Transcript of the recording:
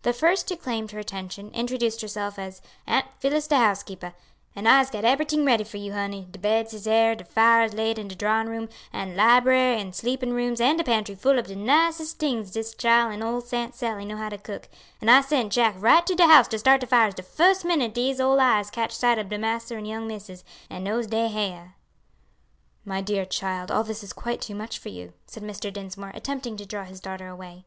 The first who claimed her attention, introduced herself as "Aunt Phillis de housekeepah. An' I'se got eberyting ready for you, honey; de beds is aired, de fires laid in de drawin' room, an' library, an' sleepin' rooms, an' de pantry full ob the nicest tings dis chile an' ole Aunt Sally know how to cook; an' I sent Jack right to de house to start de fires de fust minute dese ole eyes catch sight ob massa an' young missus, an' knows dey heyah." "My dear child, all this is quite too much for you," said Mr. Dinsmore, attempting to draw his daughter away.